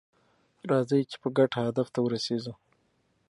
راځئ چې په ګډه دې هدف ته ورسیږو.